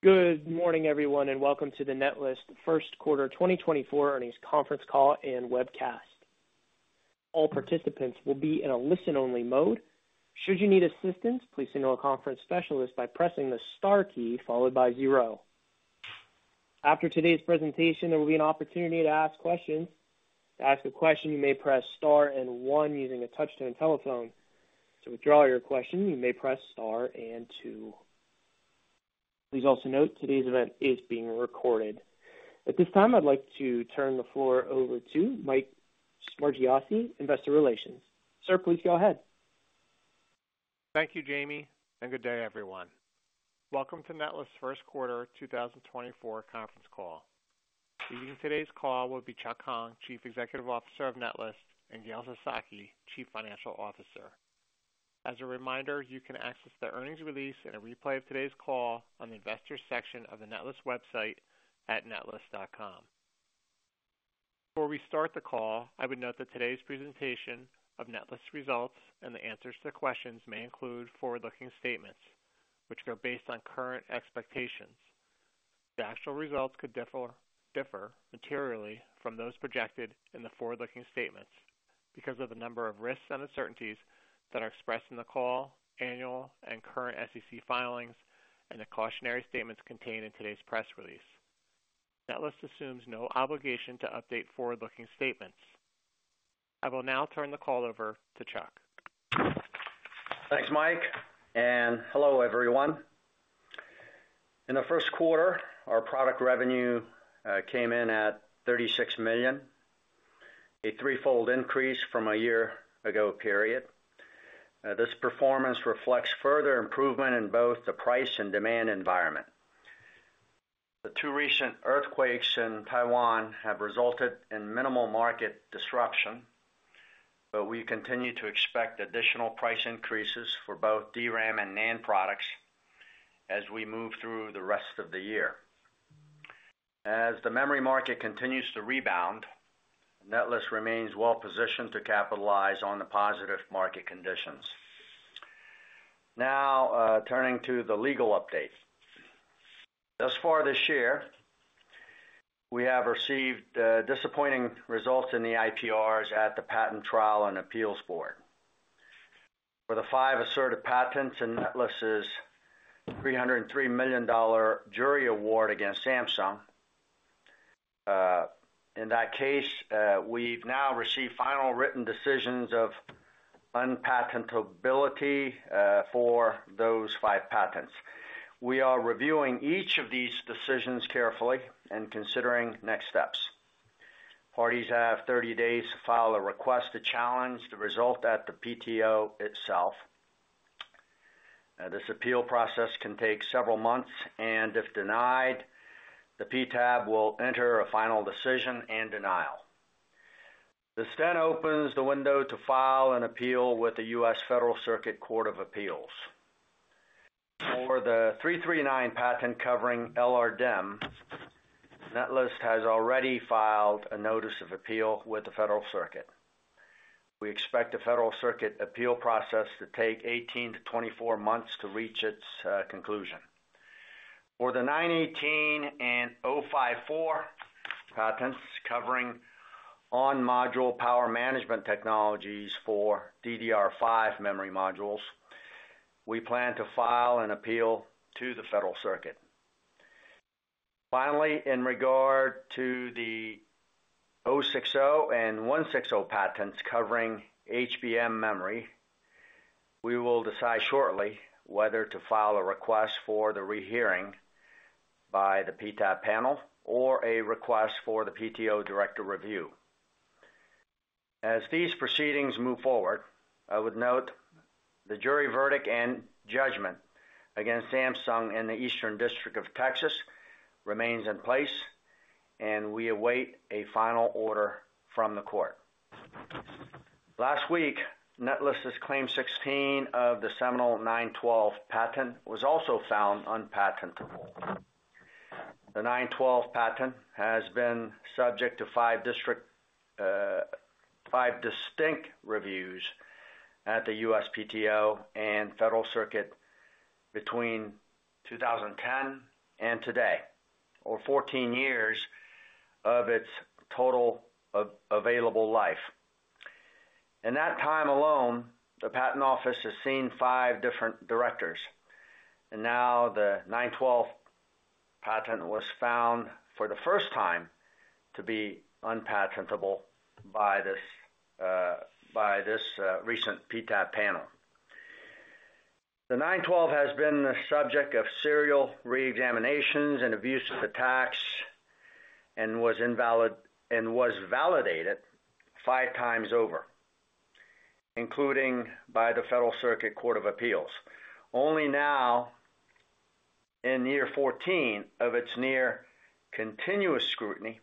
Good morning, everyone, and welcome to the Netlist first quarter 2024 earnings conference call and webcast. All participants will be in a listen-only mode. Should you need assistance, please signal a conference specialist by pressing the Star key, followed by zero. After today's presentation, there will be an opportunity to ask questions. To ask a question, you may press star and one using a touch-tone telephone. To withdraw your question, you may press star and two. Please also note today's event is being recorded. At this time, I'd like to turn the floor over to Mike Smargiassi, Investor Relations. Sir, please go ahead. Thank you, Jamie, and good day, everyone. Welcome to Netlist's First Quarter 2024 conference call. Leading today's call will be Chuck Hong, Chief Executive Officer of Netlist, and Gail Sasaki, Chief Financial Officer. As a reminder, you can access the earnings release and a replay of today's call on the Investors section of the Netlist website at netlist.com. Before we start the call, I would note that today's presentation of Netlist results and the answers to questions may include forward-looking statements, which are based on current expectations. The actual results could differ, differ materially from those projected in the forward-looking statements because of the number of risks and uncertainties that are expressed in the call, annual and current SEC filings, and the cautionary statements contained in today's press release. Netlist assumes no obligation to update forward-looking statements. I will now turn the call over to Chuck. Thanks, Mike, and hello, everyone. In the first quarter, our product revenue came in at $36 million, a threefold increase from a year ago period. This performance reflects further improvement in both the price and demand environment. The two recent earthquakes in Taiwan have resulted in minimal market disruption, but we continue to expect additional price increases for both DRAM and NAND products as we move through the rest of the year. As the memory market continues to rebound, Netlist remains well-positioned to capitalize on the positive market conditions. Now, turning to the legal update. Thus far this year, we have received disappointing results in the IPRs at the Patent Trial and Appeal Board. For the five asserted patents in Netlist's $303 million jury award against Samsung, in that case, we've now received final written decisions of unpatentability for those five patents. We are reviewing each of these decisions carefully and considering next steps. Parties have 30 days to file a request to challenge the result at the PTO itself. This appeal process can take several months, and if denied, the PTAB will enter a final decision and denial. This then opens the window to file an appeal with the U.S. Court of Appeals for the Federal Circuit. For the 339 patent covering LRDIMM, Netlist has already filed a notice of appeal with the Federal Circuit. We expect the Federal Circuit appeal process to take 18-24 months to reach its conclusion. For the 918 and 054 patents covering on-module power management technologies for DDR5 memory modules, we plan to file an appeal to the Federal Circuit. Finally, in regard to the 060 and 160 patents covering HBM memory, we will decide shortly whether to file a request for the rehearing by the PTAB panel or a request for the PTO Director Review. As these proceedings move forward, I would note the jury verdict and judgment against Samsung in the Eastern District of Texas remains in place, and we await a final order from the court. Last week, Netlist's claim 16 of the seminal 912 patent was also found unpatentable. The 912 patent has been subject to five district, five distinct reviews at the USPTO and Federal Circuit between 2010 and today, or 14 years of its total available life. In that time alone, the patent office has seen five different directors, and now the 912 patent was found for the first time to be unpatentable by this recent PTAB panel. The 912 has been the subject of serial reexaminations and abusive attacks and was validated five times over, including by the Federal Circuit Court of Appeals. Only now, in year 14 of its near continuous scrutiny,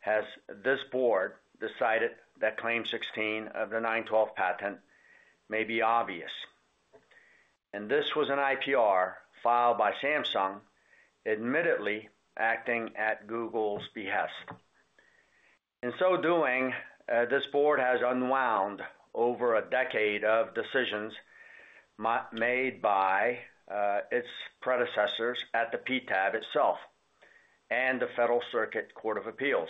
has this board decided that claim 16 of the 912 patent may be obvious. This was an IPR filed by Samsung, admittedly acting at Google's behest.... In so doing, this board has unwound over a decade of decisions made by its predecessors at the PTAB itself and the Federal Circuit Court of Appeals,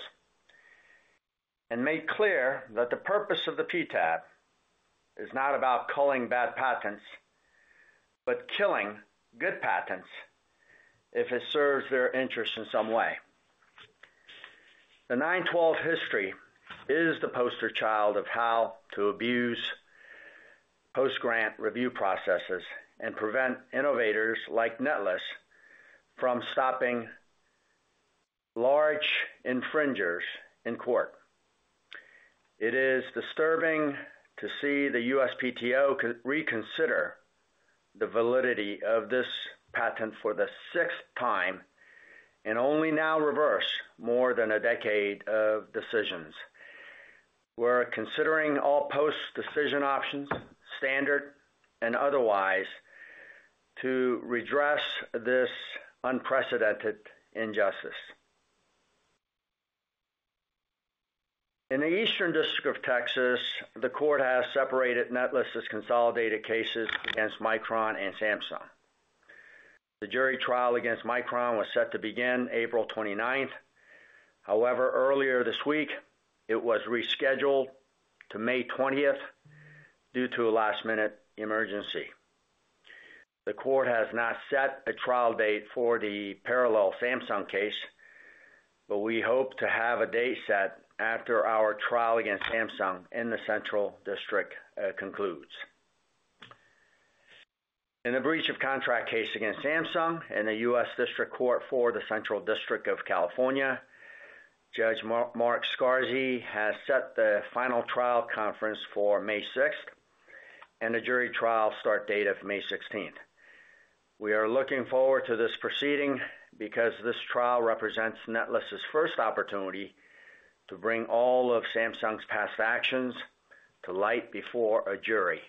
and made clear that the purpose of the PTAB is not about culling bad patents, but killing good patents if it serves their interest in some way. The 912 history is the poster child of how to abuse post-grant review processes and prevent innovators like Netlist from stopping large infringers in court. It is disturbing to see the USPTO reconsider the validity of this patent for the sixth time and only now reverse more than a decade of decisions. We're considering all post-decision options, standard and otherwise, to redress this unprecedented injustice. In the Eastern District of Texas, the court has separated Netlist's consolidated cases against Micron and Samsung. The jury trial against Micron was set to begin April 29th. However, earlier this week, it was rescheduled to May 20th due to a last-minute emergency. The court has not set a trial date for the parallel Samsung case, but we hope to have a date set after our trial against Samsung in the Central District concludes. In a breach of contract case against Samsung in the U.S. District Court for the Central District of California, Judge Mark Scarsi has set the final trial conference for May 6th, and a jury trial start date of May 16th. We are looking forward to this proceeding because this trial represents Netlist's first opportunity to bring all of Samsung's past actions to light before a jury.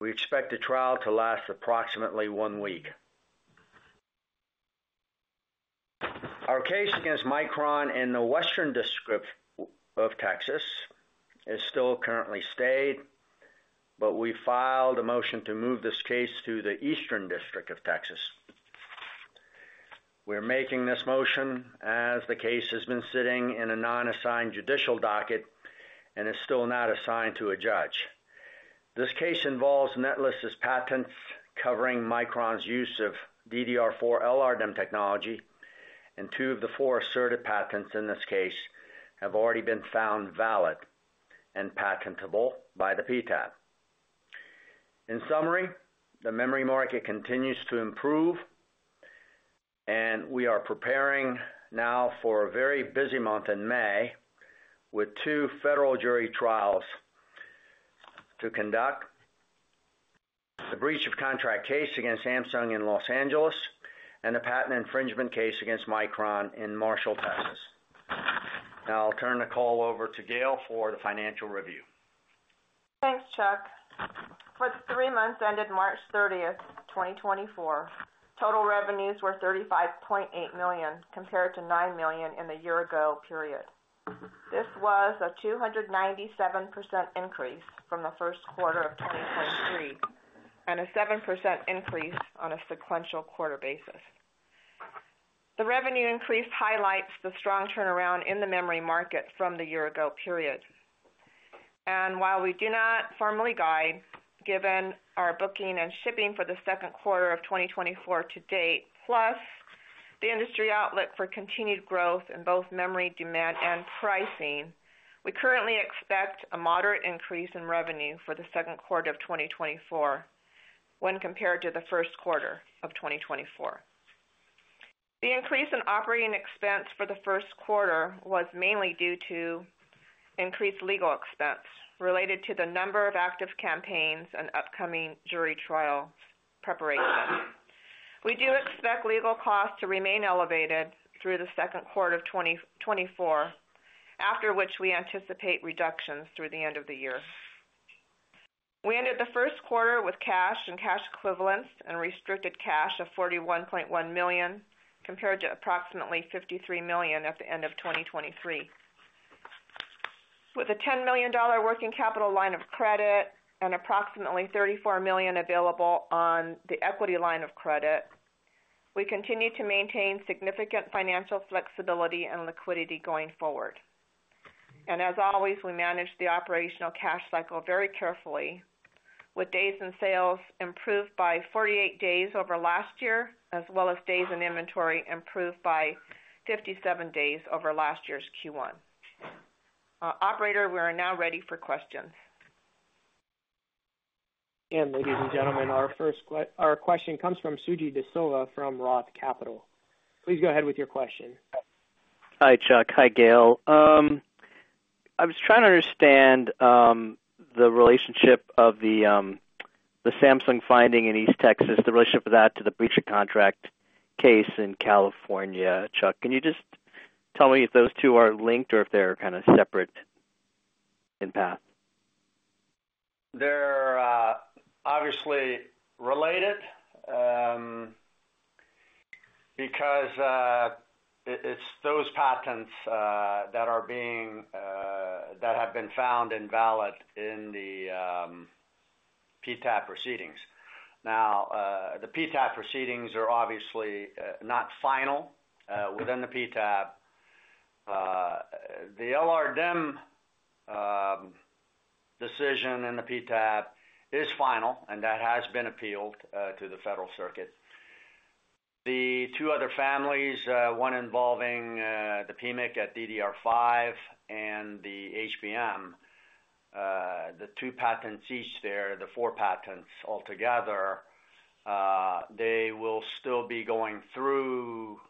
We expect the trial to last approximately one week. Our case against Micron in the Western District of Texas is still currently stayed, but we filed a motion to move this case to the Eastern District of Texas. We're making this motion as the case has been sitting in a non-assigned judicial docket and is still not assigned to a judge. This case involves Netlist's patents covering Micron's use of DDR4 LRDIMM technology, and two of the four asserted patents in this case have already been found valid and patentable by the PTAB. In summary, the memory market continues to improve, and we are preparing now for a very busy month in May with two federal jury trials to conduct, the breach of contract case against Samsung in Los Angeles, and a patent infringement case against Micron in Marshall, Texas. Now I'll turn the call over to Gail for the financial review. Thanks, Chuck. For the three months ended March 30th, 2024, total revenues were $35.8 million, compared to $9 million in the year-ago period. This was a 297% increase from the first quarter of 2023, and a 7% increase on a sequential-quarter basis. The revenue increase highlights the strong turnaround in the memory market from the year-ago period. And while we do not formally guide, given our booking and shipping for the second quarter of 2024 to date, plus the industry outlook for continued growth in both memory demand and pricing, we currently expect a moderate increase in revenue for the second quarter of 2024 when compared to the first quarter of 2024. The increase in operating expense for the first quarter was mainly due to increased legal expense related to the number of active campaigns and upcoming jury trial preparation. We do expect legal costs to remain elevated through the second quarter of 2024, after which we anticipate reductions through the end of the year. We ended the first quarter with cash and cash equivalents and restricted cash of $41.1 million, compared to approximately $53 million at the end of 2023. With a $10 million working capital line of credit and approximately $34 million available on the equity line of credit, we continue to maintain significant financial flexibility and liquidity going forward. As always, we manage the operational cash cycle very carefully, with days in sales improved by 48 days over last year, as well as days in inventory improved by 57 days over last year's Q1. Operator, we are now ready for questions. Ladies and gentlemen, our first question comes from Suji Desilva from ROTH Capital. Please go ahead with your question. Hi, Chuck. Hi, Gail. I was trying to understand the relationship of the Samsung finding in East Texas, the relationship of that to the breach of contract case in California. Chuck, can you just tell me if those two are linked or if they're kind of separate in path?... related, because it's those patents that have been found invalid in the PTAB proceedings. Now, the PTAB proceedings are obviously not final within the PTAB. The LRDIMM decision in the PTAB is final, and that has been appealed to the Federal Circuit. The two other families, one involving the PMIC at DDR5 and the HBM, the two patents each there, the four patents altogether, they will still be going through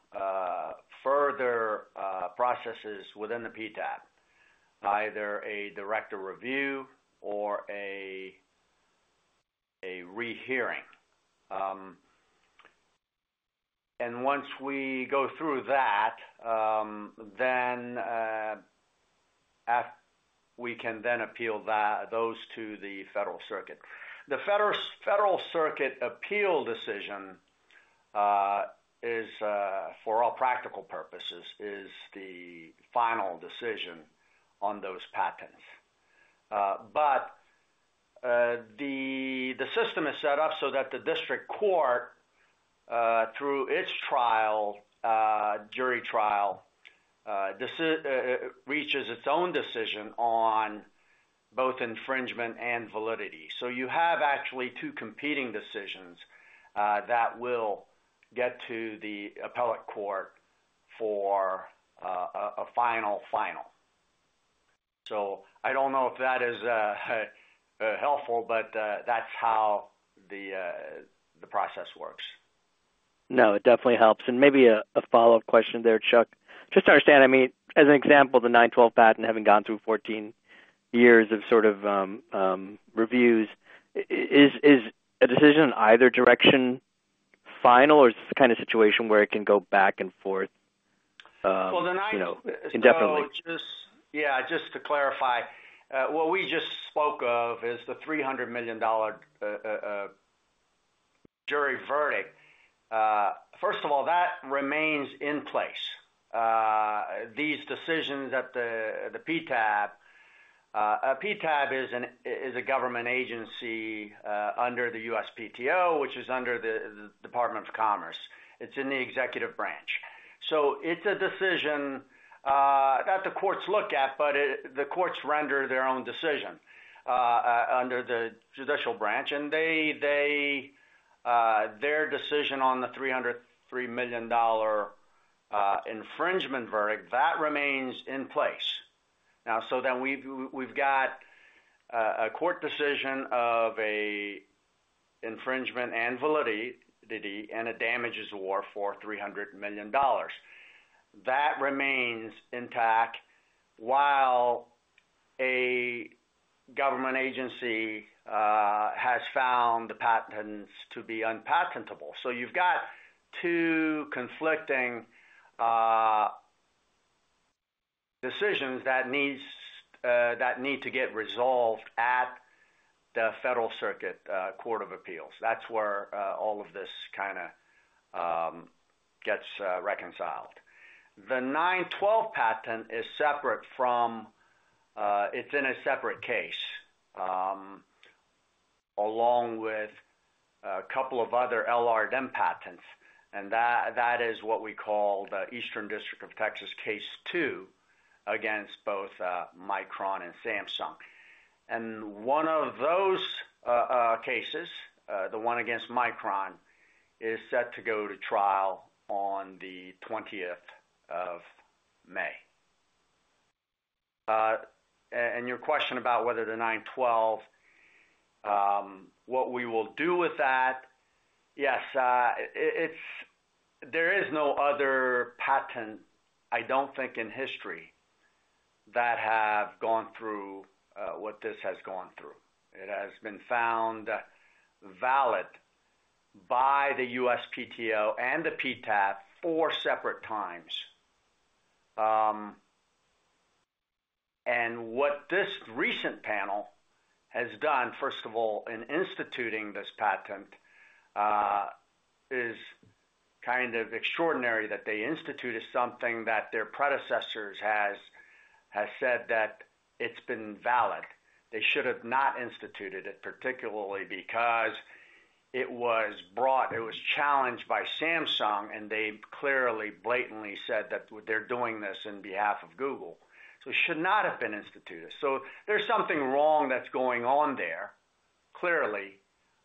further processes within the PTAB, either a director review or a rehearing. And once we go through that, then we can then appeal those to the Federal Circuit. The Federal Circuit appeal decision is for all practical purposes the final decision on those patents. But the system is set up so that the district court, through its trial, jury trial, reaches its own decision on both infringement and validity. So you have actually two competing decisions that will get to the appellate court for a final final. So I don't know if that is helpful, but that's how the process works. No, it definitely helps. And maybe a follow-up question there, Chuck. Just to understand, I mean, as an example, the 912 patent, having gone through 14 years of sort of reviews, is a decision in either direction final, or is this the kind of situation where it can go back and forth? Well, the nine- You know, indefinitely? So just... Yeah, just to clarify, what we just spoke of is the $300 million jury verdict. First of all, that remains in place. These decisions at the PTAB, a PTAB is a government agency under the USPTO, which is under the Department of Commerce. It's in the executive branch. So it's a decision that the courts look at, but the courts render their own decision under the judicial branch. And they, their decision on the $303 million infringement verdict, that remains in place. Now, so then we've got a court decision of a infringement and validity, and a damages award for $300 million. That remains intact while a government agency has found the patents to be unpatentable. So you've got two conflicting decisions that need to get resolved at the Federal Circuit Court of Appeals. That's where all of this kinda gets reconciled. The 912 patent is separate from... It's in a separate case, along with a couple of other LRDIMM patents, and that is what we call the Eastern District of Texas, Case 2, against both Micron and Samsung. And one of those cases, the one against Micron, is set to go to trial on the twentieth of May. And your question about whether the 912, what we will do with that? Yes, it, it's there is no other patent, I don't think, in history, that have gone through what this has gone through. It has been found valid by the USPTO and the PTAB four separate times. And what this recent panel has done, first of all, in instituting this patent, is kind of extraordinary, that they instituted something that their predecessors has said that it's been valid. They should have not instituted it, particularly because it was brought, it was challenged by Samsung, and they clearly, blatantly said that they're doing this in behalf of Google. So it should not have been instituted. So there's something wrong that's going on there, clearly,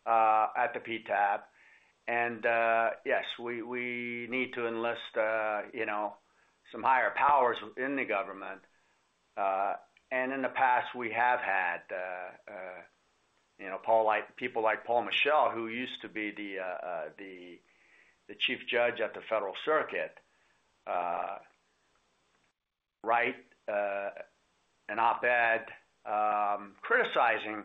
at the PTAB. And yes, we need to enlist, you know, some higher powers within the government. And in the past, we have had, you know, people like Paul Michel, who used to be the chief judge at the Federal Circuit, write an op-ed criticizing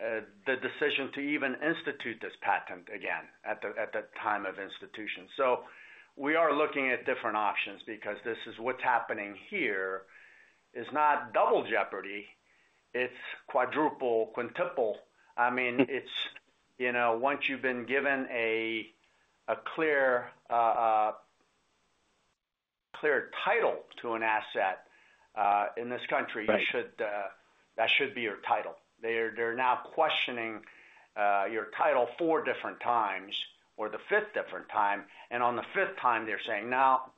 the decision to even institute this patent again at the time of institution. So we are looking at different options because this is what's happening here—it's not double jeopardy, it's quadruple, quintuple. I mean, it's, you know, once you've been given a clear title to an asset in this country- Right. You should, that should be your title. They're now questioning your title four different times, or the fifth different time, and on the fifth time they're saying, "Now,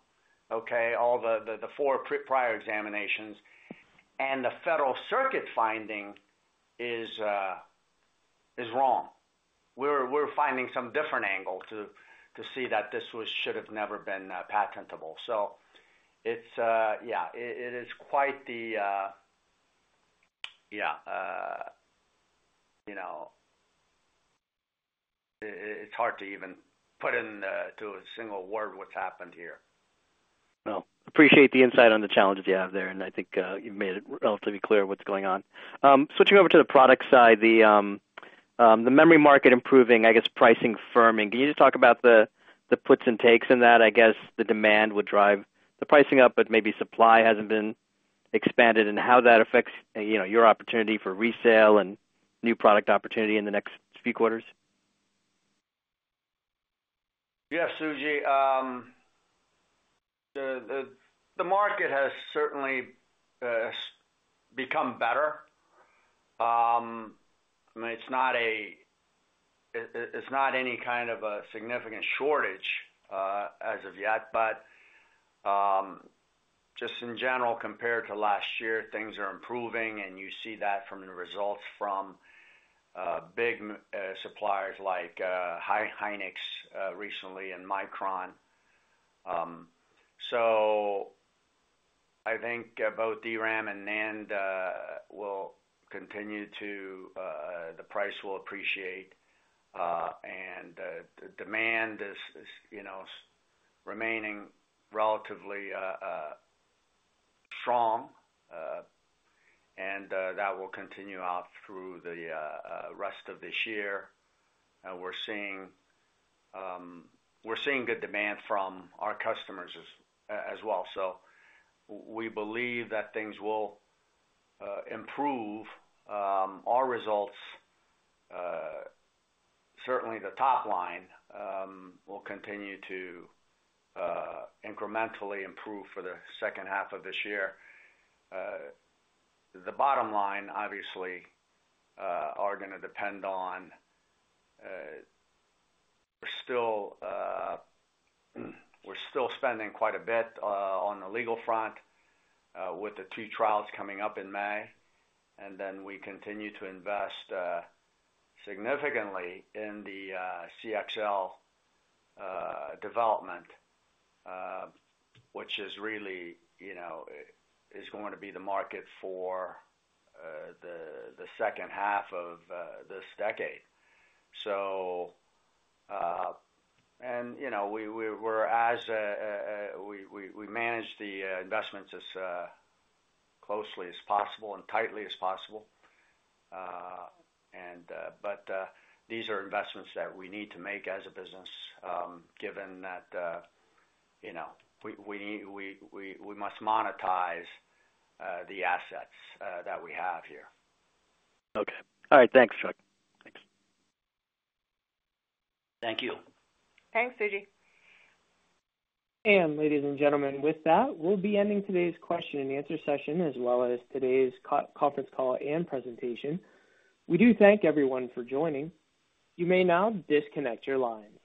okay, all the four prior examinations and the Federal Circuit finding is wrong. We're finding some different angle to see that this was, should have never been patentable." So it's yeah, it is quite the yeah, you know, it's hard to even put into a single word what's happened here. Well, appreciate the insight on the challenges you have there, and I think, you've made it relatively clear what's going on. Switching over to the product side, the memory market improving, I guess, pricing firming. Can you just talk about the puts and takes in that? I guess, the demand would drive the pricing up, but maybe supply hasn't been expanded, and how that affects, you know, your opportunity for resale and new product opportunity in the next few quarters. Yes, Suji. The market has certainly become better. I mean, it's not any kind of a significant shortage as of yet. But just in general, compared to last year, things are improving, and you see that from the results from big suppliers like Hynix recently, and Micron. So I think both DRAM and NAND will continue to the price will appreciate, and the demand is you know remaining relatively strong, and that will continue out through the rest of this year. We're seeing good demand from our customers as well. So we believe that things will improve our results, certainly the top line will continue to incrementally improve for the second half of this year. The bottom line, obviously, are gonna depend on; we're still spending quite a bit on the legal front with the two trials coming up in May, and then we continue to invest significantly in the CXL development, which is really, you know, is going to be the market for the second half of this decade. So, and you know, we manage the investments as closely as possible and tightly as possible. These are investments that we need to make as a business, given that, you know, we must monetize the assets that we have here. Okay. All right. Thanks, Chuck. Thanks. Thank you. Thanks, Suji. Ladies and gentlemen, with that, we'll be ending today's question and answer session, as well as today's conference call and presentation. We do thank everyone for joining. You may now disconnect your line.